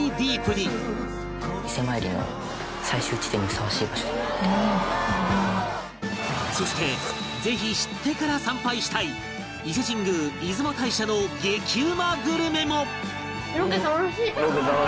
そしてこのあとそしてぜひ知ってから参拝したい伊勢神宮出雲大社の激うまグルメも